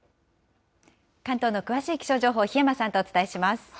関東の詳しい気象情報、檜山さんとお伝えします。